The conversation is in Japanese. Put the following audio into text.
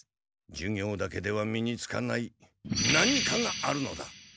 授業だけでは身につかない何かがあるのだ！